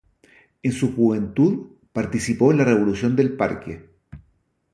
En su juventud participó en la Revolución del Parque.